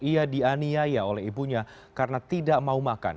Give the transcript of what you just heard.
ia dianiaya oleh ibunya karena tidak mau makan